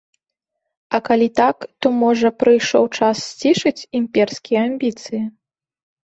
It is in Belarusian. А калі так, то можа, прыйшоў час сцішыць імперскія амбіцыі?